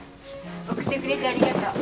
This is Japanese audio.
送ってくれてありがとう。